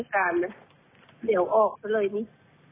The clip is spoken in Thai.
เดี่ยวออกกันเลยนี้